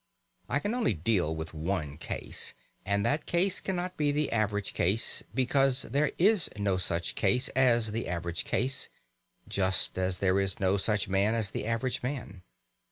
I can only deal with one case, and that case cannot be the average case, because there is no such case as the average case, just as there is no such man as the average man.